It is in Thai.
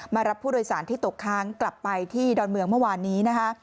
รับผู้โดยสารที่ตกค้างกลับไปที่ดอนเมืองเมื่อวานนี้นะคะ